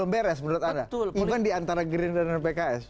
beres menurut anda bukan diantara gerinda dan pks